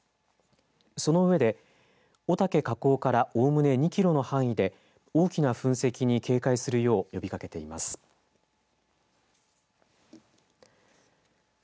その上で御岳火口からおおむね２キロの範囲で大きな噴石に警戒するよう呼びかけています。